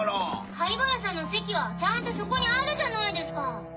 灰原さんの席はちゃんとそこにあるじゃないですか。